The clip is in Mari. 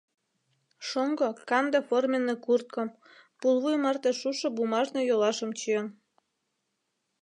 Шоҥго канде форменный курткым, пулвуй марте шушо бумажный йолашым чиен.